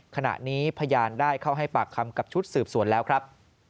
ขณะนี้พยานได้เข้าให้ปากคำกับชุดสืบสวนแล้วครับ